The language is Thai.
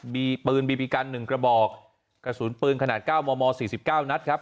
มีปืนบีบีกัน๑กระบอกกระสุนปืนขนาด๙มม๔๙นัดครับ